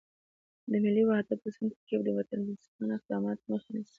د ملي وحدت اوسنی ترکیب د وطنپرستانه اقداماتو مخه نیسي.